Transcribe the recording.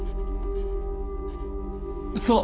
そう！